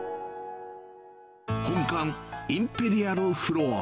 本館インペリアルフロア。